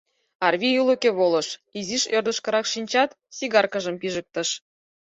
Арви ӱлыкӧ волыш, изиш ӧрдыжкырак шинчат, сигаркыжым пижыктыш.